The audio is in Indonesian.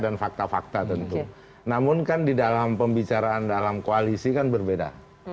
dan fakta fakta tentu namun kan di dalam pembicaraan dalam koalisi kan berbeda